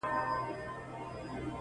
هر ګساخ چي په ګستاخ نظر در ګوري